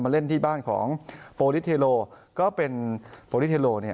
มาเล่นที่บ้านของโปรดิสเทโลก็เป็นโปรดิสเทโลเนี่ย